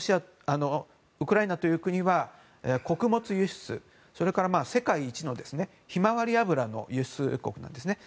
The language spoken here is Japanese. ウクライナという国は穀物輸出それから、世界一のヒマワリ油の輸出国なんですね。